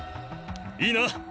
いいな！